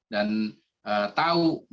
dan tahu mana yang harus diperlukan